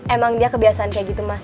emang dia kebiasaan kayak gitu mas